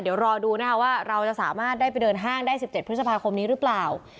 เดี๋ยวรอดูนะคะว่าเราจะสามารถได้ไปเดินห้างได้๑๗พฤษภาคมนี้หรือเปล่า